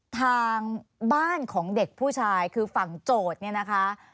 ทางบ้านของเด็กผู้ชายคือฝั่งโจทย์เนี่ยนะคะ